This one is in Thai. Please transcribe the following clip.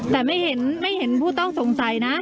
แต่ไม่เห็นผู้ต้องสงสัยนะ